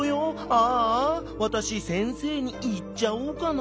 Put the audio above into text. ああわたし先生にいっちゃおうかな」。